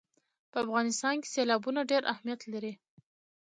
په افغانستان کې سیلابونه ډېر اهمیت لري.